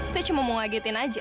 saya cuma mau ngagetin aja